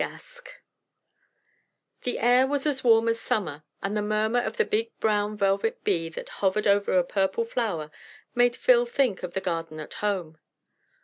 Gask The air was as warm as summer, and the murmur of the big brown velvet Bee that hovered over a purple flower made Phil think of the garden at home.